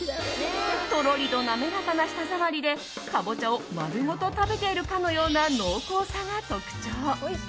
とろりと滑らかな舌触りでカボチャを丸ごと食べているかのような濃厚さが特徴。